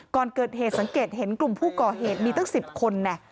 ก่อนเกิดเหตุสังเกตเห็นกลุ่มผู้ก่อเหตุมีตั้ง๑๐คน